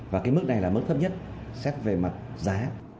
và cái mức này là mức thấp nhất xét về mặt giá